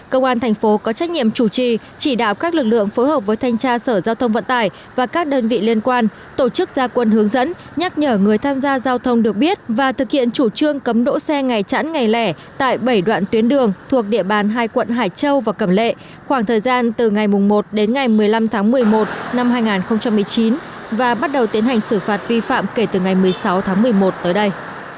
công an thành phố có trách nhiệm chủ trì chỉ đạo các lực lượng phối hợp với thanh tra sở giao thông vận tài và các đơn vị liên quan tổ chức gia quân hướng dẫn nhắc nhở người tham gia giao thông được biết và thực hiện chủ trương cấm đỗ xe ngày chẵn ngày lẻ tại bảy đoạn tuyến đường thuộc địa bàn hai quận hải châu và cầm lệ khoảng thời gian từ ngày một đến ngày một mươi năm tháng một mươi một năm hai nghìn một mươi chín và bắt đầu tiến hành xử phạt vi phạm kể từ ngày một mươi sáu tháng một mươi một tới đây